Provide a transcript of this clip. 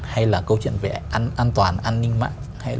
hay là câu chuyện về an toàn an ninh mạng hay